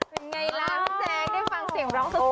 เป็นไรแล้วพี่ฉากได้ฟังเสียงร้องสดเลย